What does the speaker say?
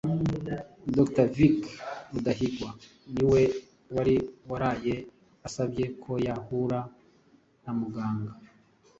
Dr Vinck. Rudahigwa ni we wari waraye asabye ko yahura na muganga.